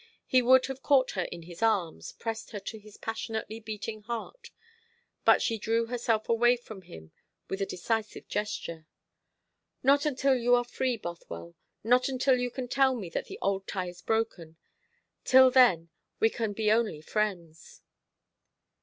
He would have caught her in his arms, pressed her to his passionately beating heart, but she drew herself away from him with a decisive gesture. "Not until you are free, Bothwell; not until you can tell me that the old tie is broken. Till then we can be only friends."